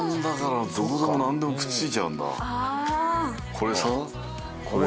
これさこれ